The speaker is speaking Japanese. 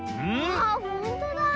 あっほんとだ！